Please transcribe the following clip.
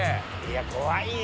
怖いよ。